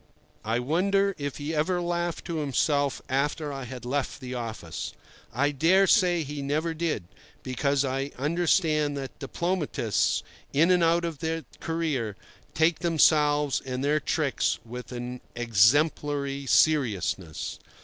I wonder whether he ever laughed to himself after I had left the office. I dare say he never did, because I understand that diplomatists, in and out of the career, take themselves and their tricks with an exemplary seriousness.